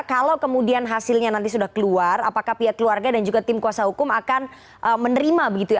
kalau kemudian hasilnya nanti sudah keluar apakah pihak keluarga dan juga tim kuasa hukum akan menerima begitu ya